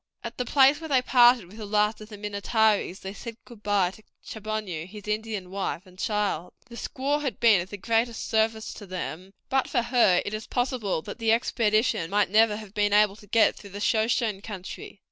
At the place where they parted with the last of the Minnetarees they said goodbye to Chaboneau, his Indian wife, and child. The squaw had been of the greatest service to them; but for her it is possible that the expedition might never have been able to get through the Shoshone country.